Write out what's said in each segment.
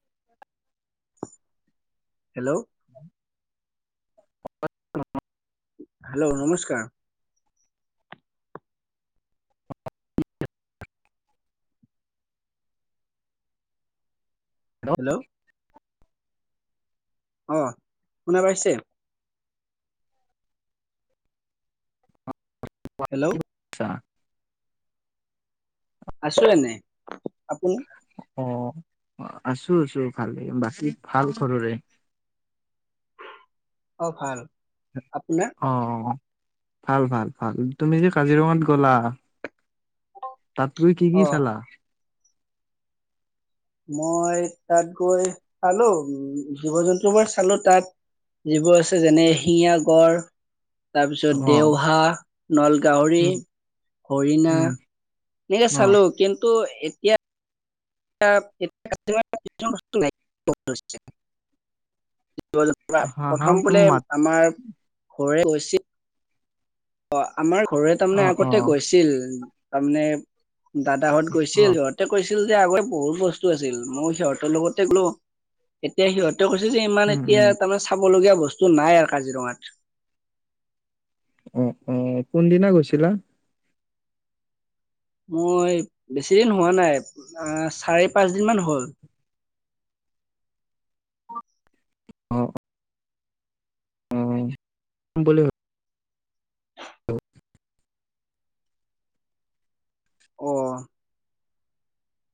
[unintelligible] Hello [unintelligible] hello নমস্কাৰ। [unintelligible] আছা, hello. অঁ' শুনা পাইছে? হেল্লৌ'। আৎচ্ছা। আছো এনেই, আপুনি? অঁ, আছো আছো ভালেই, বাকী ভাল ঘৰৰে? অঁ' ভাল, আপোনাৰ? অঁ অঁ ভাল ভাল ভাল, তুমি যে কাজিৰঙাত গ'লা, - তাত তুমি কি কি অ চালা? মই তাত গৈ চালো উম জীৱ জন্তু বোৰ চালো তাত- যিবোৰ আছে যেনে এহেশিঙা গড়। তাৰপিছত অ দেওহা, নলগাহৰি, উম হৰিণা। উম এইবিলাক অ চালো, কিন্তু এতিয়া- [unintelligible] হা হা প্ৰথম তুম বোলে মাত আমাৰ- ঘৰে গৈছিল অ' আমাৰ ঘৰৰে অ তাৰমানে অ আগতে গৈছিল। তাৰমানে দাদাহঁত অ গৈছিল, সিহঁতে কৈছিল যে আগতে বহুত বচ- টো আছিল মও সিহঁতৰ লগতে গলো, এতিয়া সিহঁত- তেওঁ কৈছে যে ইমান উম এতিয়া উম তাৰমানে চাব লগীয়া বস্তু নাই আ কাজিৰঙাত। অঁ অঁ' কোনদিনা গৈছিলা? মই বেছিদিন হোৱা নাই আঁহ চাৰি পাঁচ দিন মান হ'ল। অঁ'। অঁ' কম বুলি ভাব- অ'।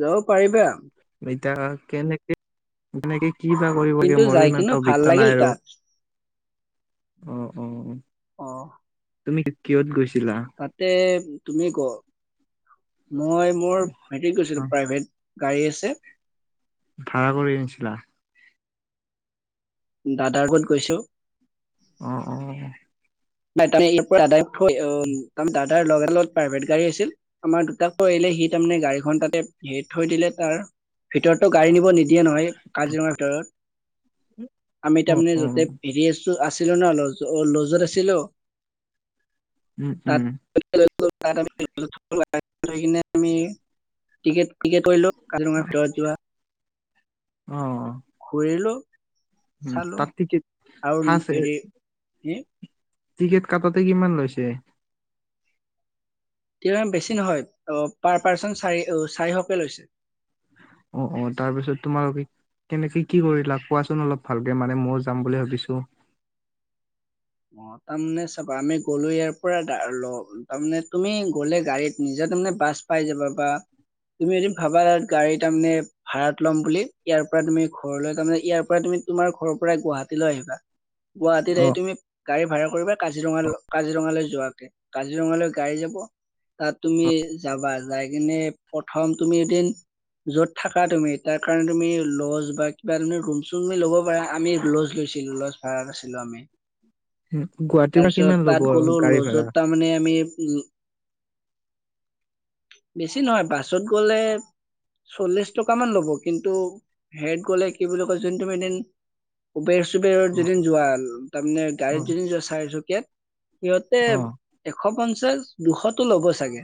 যাব পাৰিবা। এতিয়া কেনেক কেনেকে কি বা কৰিব কিন্তু লাগে মোয়ো যাই ইমান কিন্তু এটা ভাল অভিজ্ঞতা নাই লাগিল আৰু। তাত অ', অ', অ'। অ'। তুমি কিহত গৈছিলা। তাতে তুমি ক মই মোৰ মেট্ৰিক অ গৈছিলো প্ৰাইভেট গাড়ী আছে। ফাৰা কৰি আনিছিলা? দাদাৰ গত গৈছোঁ। অ', অ'। তাতেই ইআৰ পৰা দাদাই থই অ', উম, দাদাৰ লগৰ টোৰ লগত প্ৰাইভেট গাড়ী আছিল। আমাৰ দুটাক এৰিলে, সি তাৰমানে গাড়ীখন তাতে হে থৈ দিলে, তাৰ ভিতৰত ত গাড়ী নিব নি দিয়ে নহয়, কাজিৰঙাৰ ভিতৰত, আমি অ তাৰমানে অ য'তে হেৰী আছিলো ন', ল'জত আছিলো। উম, উম। [unintelligible] টিকে টিকেত কৰিলোঁ। অ', অ' হুৰিলো, উম, চালো, তাত টিকেট আও ফাৰ্ষ্ট হেৰি ই টিকেট কাটোতে কিমান লৈছে? [unintelligible] বেছি নহয়, অ', পাৰ পাৰ্চন চাৰি চাৰিশকে লৈছে। অ', অ', তাৰপিছত তোমাৰ [inaudible] কেনেকে কি কৰিলা, কোৱাচোন অলপ ভালকে, মানে ময়ো যাম বুলি ভাবিছো। অ', তাৰমানে চাব আমি গ'লো ইয়াৰ পৰা দাৰ্ল তাৰমানে তুমি গ'লে গাড়ীত নিজে তাৰমানে বাছ পাই যাবা, বা তুমি যদি ভাবা গাড়ী তাৰমানে ভাড়াত ল'ম বুলি, ইয়াৰ পৰা তুমি ঘৰলৈ তাৰমানে ইয়াৰ পৰা তুমি তোমাৰ ঘৰৰ পৰাই গুৱাহাটীলৈ আহিবা, গুৱাহাটীত আহি অ'। তুমি গাড়ী ভাড়া কৰিবা কাজিৰঙা কাজিৰঙালৈ যোৱাকে, কাজিৰঙালৈ গাড়ী যাব। তাত তুমি যাবা, যাই কিনে প্ৰথম তুমি এদিন য'ত থাকা তুমি তাৰ কাৰণে তুমি ল'জ বা কিবা তুমি ৰুম-চুম ল'ব পাৰা, আমি লজ লৈছিলো, লজ ভাড়াত আছিলো আমি। উম, গুৱাহাটীৰ পৰা তাৰপিছত কিমান তাত ল'ব গ'লো গাড়ী লজত ভাড়া? তাৰমানে আমি উম, [unintelligible] বেছি নহয়, বাছত গ'লে চল্লিশ টকামান ল'ব, কিন্তু হেত গলে কি বুলি কয় যোন তুমি এদিন উবেৰ-চোবেৰত অ', যদিন যোৱা, তাৰমানে গাড়ীত অ', যদি যোৱা চাৰিচকীয়াত। সিহঁতে অ', এশ পঞ্চাশ, দুশতটো ল'ব চাগে।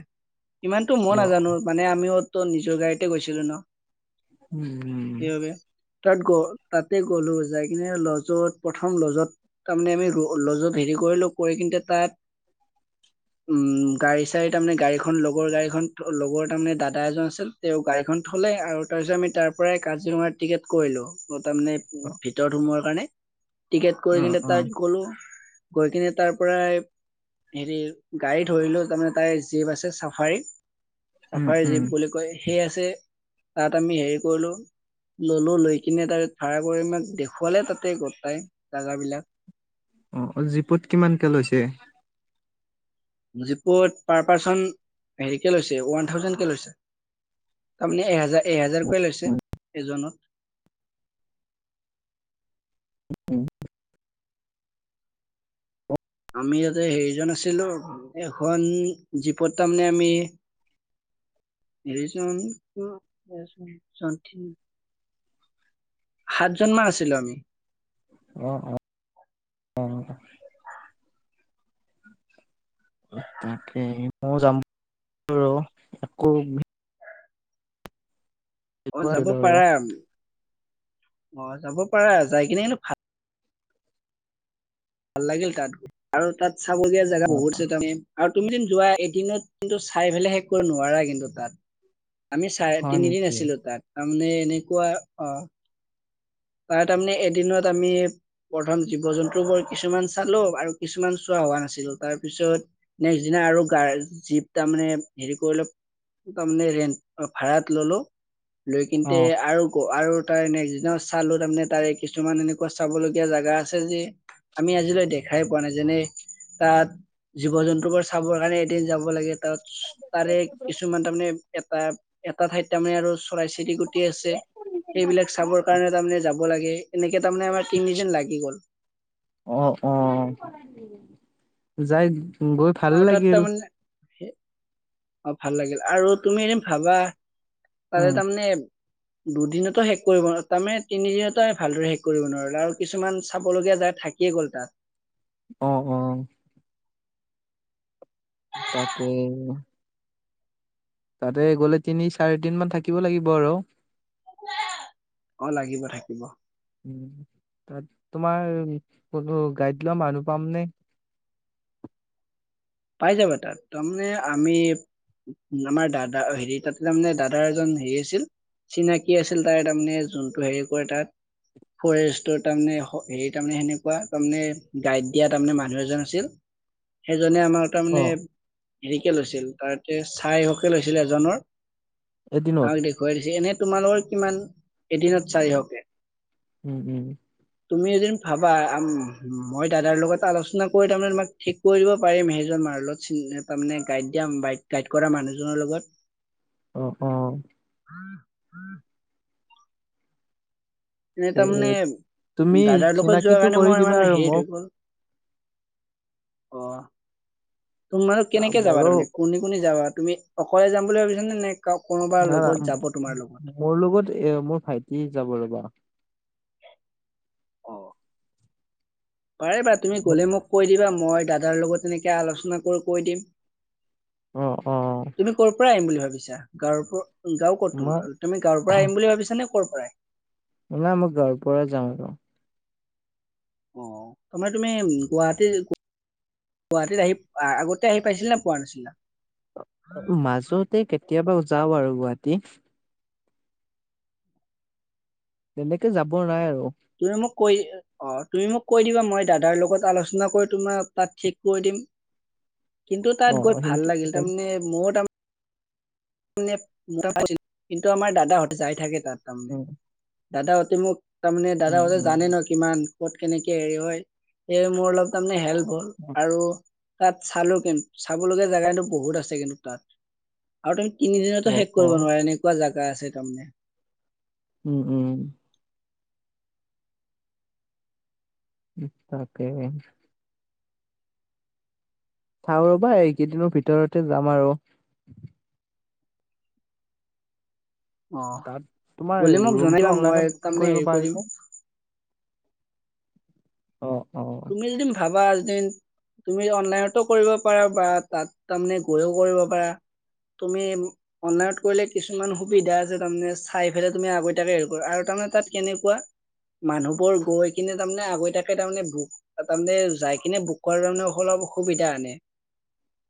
ইমানতো মই অ', নাজানো মানে আমিওতো নিজৰ গাড়ীতে গৈছিলো ন'। উম, উম, সেই বাবে। তাত গ, তাতে গলো, যাই কিনে লজত, প্ৰথম লজত তাৰমানে আমি লজত হেৰি কৰিলো, কৰি কিনটে তাত [inaudible] উম, গাড়ী-চাড়ী তাৰমানে গাড়ীখন লগৰ গাড়ীখন লগৰ তাৰমানে দাদা এজন আছিল। তেওঁ গাড়ীখন থলে, আৰু তাৰ পিছত আমি তাৰ পৰাই কাজিৰঙাৰ টিকেট কৰিলো। অ তাৰমানে উম, অ', ভিতৰত সোমোৱাৰ কাৰণে, টিকেট কৰি অ', কিনে তাত অ', গলো, গৈ কিনে তাৰ পৰাই হেৰি গাড়ী ধৰিলো, তাৰমানে তাই জীপ আছে, চাফাৰী। উম, চাফাৰ উম, জীপ বুলি কয়, সেই আছে, তাত আমি হেৰি কৰিলো। ললো, লৈ কিনে তাৰে ভাড়া কৰিম দেখুৱালে তাতে গোটাই জাগাবলাক। অ', অ', জীপত কিমানকে লৈছে? জিপত পাৰ পাৰ্চন হেৰিকে লৈছে, ওৱান থাউজেণ্ডকে লৈছে। তাৰমানে এহেজাৰ, অ', এহেজাৰকে লৈছে, এজনত। উম, উম। আমি ইয়াতে হেৰিজন আছিলো, এখন জীপত তাৰমানে আমি এৰিছন [unintelligible] সাতজন মান আছিলো আমি। অ অ। অঁ। তাকে মই যাম বাৰু একো হেৰি অ কৰা যাব দিলো আৰু পাৰা অ যাব পাৰা যাই কিনে ভাত ভাল লাগিল তাত আৰু তাত চাবলিয়ীয়া জেগা অ', বহুত আ তাৰমানে আৰু তুমি যেন যোৱা এদিনত কিন্তু চাই পেলাই শেষ কৰিব নোৱাৰা কিন্তু তাত। আমি চাৰে হয় তিনিদিন নেকি? আছিলো তাত তাৰমানে এনেকুৱা অ। তাত তাৰমানে এদিনত আমি প্ৰথম জীৱ জন্তু বোৰ কিছুমান চালো আৰু কিছুমান চোৱা হোৱা নাছিলো তাৰপিছত নেক্সট দিনা আৰু গাৰ্দ জীপ তাৰমানে হেৰি কৰি ল তাৰমানে ৰেন্ট ভাড়াত ললো লৈ কিন্তে অ', আৰু ক আৰু তাৰ নেক্স দিনা চালো তাৰমানে তাৰে কিছুমান এনেকুৱা চাব লগীয়া জেগা আছে যে আমি আজিলৈ দেখাই পোৱা নাই যেনে তাত জীৱ জন্তু বোৰ চাবৰ কাৰণে এদিন যাব লাগে। তাত তাৰে কিছুমান তাৰমানে এটা এটা ঠাইত তাৰমানে আৰু চৰাই চিৰি গুটি আছে সেইবিলাক চাবৰ কাৰণে তাৰমানে যাব লাগে এনেকে তাৰমানে আমাৰ তিনিদিন লাগি গ'ল। অ অ যাই গৈ ভাল অ তাত লাগিল তাৰমানে অ ভাল লাগিল আৰু তুমি এনে ভাবা [unintelligible] উম তাৰমানে দূদিনটো শেষ কৰিব ন তাৰমানে তিনিদিনত ভালদৰে শেষ কৰিব নোৱাৰো আৰু কিছুমান চাব লগীয়া জেগা থাক কি গল তাত। অ অ। তাকে। তাতে গলে তিনি চাৰি দিন মান থাকিব লাগিব আৰু। অ লাগিব থাকিব। উম তাত তোমাৰ কোনো গাইড লোৱা মানুহ পামনে? পাই যাবা তাত তাৰমানে আমি আমাৰ দাদা হেৰি তাতে তাৰমানে দাদাৰ এজন হেৰি আছিল। চিনাকি আছিল তাৰ তাৰমানে যোনটো হেৰি কৰে তাত। ফৰেষ্টৰ তাৰমানে হেৰি তাৰমানে সেনেকুৱা তাৰমানে গাইড দিয়া তাৰমানে মানুহ এজন আছিল। সেইজনে আমাৰ অ তাৰমানে হেৰিকে লৈছিল তাৰতে চাই হকে লৈছিল এজনৰ এদিনত আৰু দেখুৱাই দিছে এনে তোমালোকৰ কিমান এদিনত চাইি হওকে। উম উম। তুমি এদিন ভাবা মই দাদাৰ লগত আলোচনা কৰি তাৰমানে তোমাক ঠিক কৰি দিব পাৰিম সেইজন মাৰত তাৰমানে গাইড দিয়াই গাইড কৰা মানুহজনৰ লগত। অ', অ'। [inaudible] এ তে তাৰমানে তুমি দাদাৰ লগত যোৱা চিনাকিটো কাৰণে কৰি মই দিবা ইমান আৰু হেৰিত মোক হৈ গ'ল। অ'। তোমালোক কেনেকে যাবা মোৰো তাৰমানে? কোনে কোনে যাবা? তুমি অকলে যাম বুলি ভাবিছা নে নে কাও কোনোবা না লগত যাব তোমাৰ লগত? মোৰ লগত এ মোৰ ভাইটি যাব ৰ'বা। অ'। পাৰে বা তুমি গ'লে মোক কৈ দিবা। মই দাদাৰ লগত এনেকে আলোচনা কৰি কৈ দিম। অ', অ', অ'। তুমি ক'ৰ পৰাই আহিম বুলি ভাবিছা? গাঁৱৰ পৰা গাঁও ক'ত মই তোমাৰ? তুমি গাঁওৰ পৰা আহিম বুলি ভাবিছা নে ক'ৰ পৰা? নাই মই গাঁওৰ পৰা যাম আৰু অ', মানে তুমি গুৱাহাটীৰ গুৱাহাটীত আহি আগতে আহি পাইছিল নে পোৱা নাছিলা? মাজতে কেতিয়াবা যাও আৰু গুৱাহাটী। তেনেকে যাব নাই আৰু। তুমি মোক কৈ অ', তুমি মোক কৈ দিবা মই দাদাৰ লগত আলোচনা কৰি তোমাক তাত ঠিক কৰি দিম। কিন্তু অ তাত গৈ ভাল সেনকে লাগিল। তেনে তাৰমানে মোৰ তাৰ [unintelligible] কিন্তু আমাৰ দাদাহঁত যাই থাকে তাত। উম দাদাহতি মোক তাৰমানে উম দাদাহতে জানে উম ন' কিমান ক'ত কেনেকে হেৰি হয়, সেই মোৰ অলপ তাৰমানে হেল্প হ'ল। আৰু তাত চালো কিন্ত চাবলগীয়া জেগাটো বহুত আছে কিন্তু তাত। আৰু তুমি তিনিদিনতো অ শেষ অ কৰিব নোৱাৰা, এনেকুৱা জাগা আছে তাৰমানে। উম উম। তাকে। চাও ৰ'বা এইকেইদিনৰ ভিতৰতে যাম আৰু। অ তাত তোমাৰ গ'লে মোক জনাইবা ৰুমটো মই অনলাইনত বুকিং তাৰমানে কৰিব হেৰি কৰিম পাৰিনে? অ', অ'। মিল দিম ভাবা এদিন তুমি অনলাইনতো কৰিব পাৰা বা তাত তাৰমানে গৈও কৰিব পাৰা। তুমি অনলাইনত কৰিলে কিছুমান সুবিধা আছে তাৰমানে চাই ফেলে তুমি আগতিয়াকে হেৰি কৰ আৰু তাৰমানে তাত কেনেকুৱা মানুহবোৰ গৈ কিনে তাৰমানে আগতিয়াকে তাৰমানে ভোক তাত তাৰমানে যাই কিনে বুক কৰাটো তাৰমানে অলপ অসুবিধা আনে।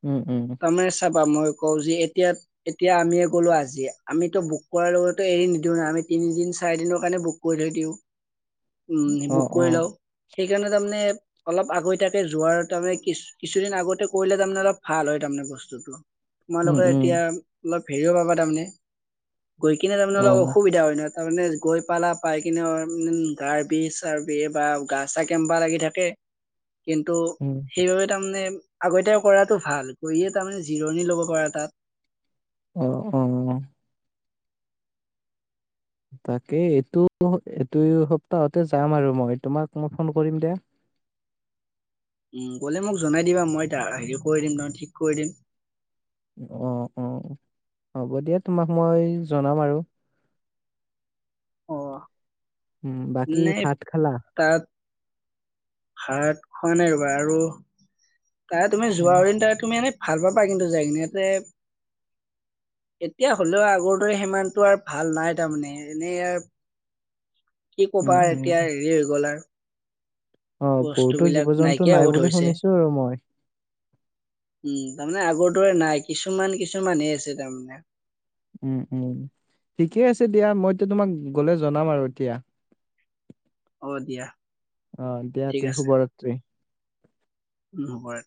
উম উম। তাৰমানে চাবা মই কওঁ যি এতিয়া এতিয়া আমিয়ে গ'লো আজিয়ে। আমিতো বুক কৰাৰ লগতো এৰি নিদিও না আমি তিনিদিন চাৰিদিনৰ কাৰণে বুক কৈ থৈ দিও। [inaudible] উম অ বুক অ কৰি লও। সেইকাৰণে তাৰমানে অলপ আগতীতাকে যোৱাৰ তাৰমানে কিছ-কিছুদিন আগতে কৰিলে তাৰমানে অলপ ভাল হয় তাৰমানে বস্তুটো। উম তোমালোকে উম এতিয়া অলপ হেৰিও পাবা তাৰমানে। গৈ কেনে তাৰমানে অ অলপ অসুবিধা হয় ন। তাৰমানে গৈ পালা। পাই কিনে [unintelligible] গাৰ বিহ চাৰ বিহ বা গা চা কেম্বা লাগি থাকে। কিন্তু উম। সেইবাবে তাৰমানে আগত কৰাটো ভাল গৈয়ে তাৰমানে জিৰণি ল'ব পাৰা তাত। অ' অ'। তাকে এইটো এইটো সপ্তাহতে যাম আৰু মই তোমাক মই ফোন কৰিম দে। উম, গ'লে মোক জনাই দিবা মই তাৰ হেৰি কৰি দিম নহয়, ঠিক কৰি দিম। অ' অ' হ'ব দিয়া তোমাক মই জনাম আৰু অ'। উম, বাকি নে ভাত খালা? তাত ভাত খোৱা নাই ৰবা আৰু তাই তুমি উম যোৱা উদিন তাই তুমি এনে ভাল পাবা কিন্তু যায় কিনে ইয়াতে এতিয়া হ'লেও আগৰ দৰে সিমানতটো আৰু ভাল নাই। তাৰমানে এনেই ইয়াৰ কি উম ক'বা উম এতিয়া হেৰি হৈ গ'লা অ বহুতো জীৱ বস্তুবিলাক জন্তু নাইকিয়া নাই হ'ব বুলি ধৰিছে। শুনিছো আৰু মই উম, তাৰমানে আগৰ দৰে নাই, কিছুমান কিছুমানহে আছে তাৰমানে উম, উম, ঠিকেই আছে দিয়া। মইটো এতিয়া তোমাক গ'লে জনাম আৰু এতিয়া। অ', দিয়া অ' দিয়া ঠিক এতিয়া শুভৰাত্ৰী। মোবাইল